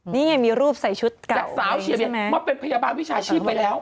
นี่ไงมีรูปใส่ชุดเป็นเป็นพยาบาลวิชาชีพไปแล้ว